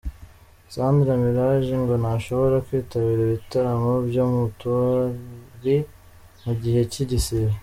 Sandra Milaj ngo ntashobora kwitabira ibitaramo byo mu tubari mu gihe cy'igisibo.